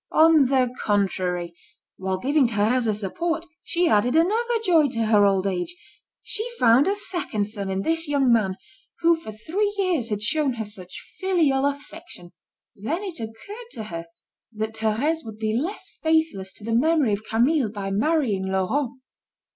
On the contrary, while giving Thérèse a support, she added another joy to her old age, she found a second son in this young man who for three years had shown her such filial affection. Then it occurred to her that Thérèse would be less faithless to the memory of Camille by marrying Laurent.